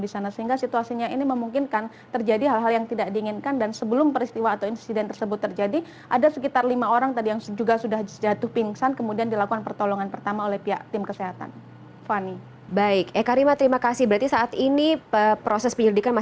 selamat malam eka